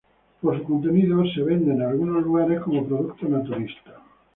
Por su contenido es vendido en algunos lugares como producto naturista.